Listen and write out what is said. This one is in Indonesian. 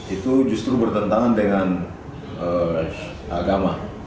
itu justru bertentangan dengan agama